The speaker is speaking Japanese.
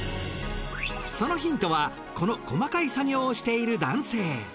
そのヒントはこの細かい作業をしている男性。